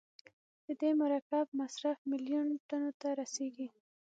د دې مرکب مصرف میلیون ټنو ته رسیږي.